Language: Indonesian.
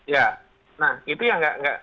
ya nah itu yang nggak